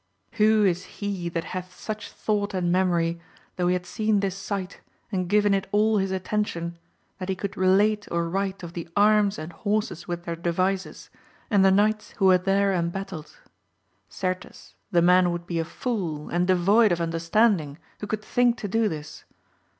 Who is he that hath such thought and memory, though he had seen this sight and given it all his at. tention, that he could relate or write of the arms and horses with their devices, and the knights who were there embattled ? Certes the man would be a fool and devoid of understanding who could think to do this.